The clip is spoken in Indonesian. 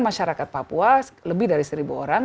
masyarakat papua lebih dari seribu orang